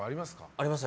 あります。